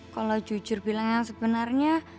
kalau jujur bilang yang sebenarnya